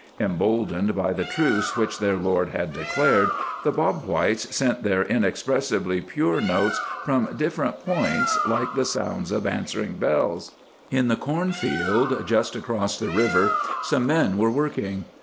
Emboldened by the truce which their lord had declared, the Bob Whites sent their inexpressibly pure notes from different points like the sounds of answering bells. In the corn field just across the river some men were working.